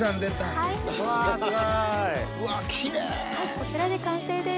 こちらで完成です。